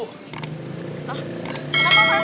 hah kenapa mas